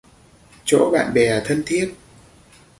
Chỗ bạn bè thân thiết